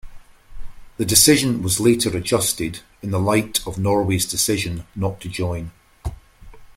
The decision was later adjusted in the light of Norway's decision not to join.